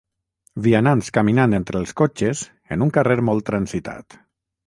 Vianants caminant entre els cotxes en un carrer molt transitat.